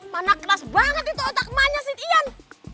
mana keras banget itu otak ma nya sih iyan